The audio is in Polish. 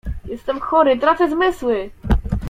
"Jestem chory, tracę zmysły!"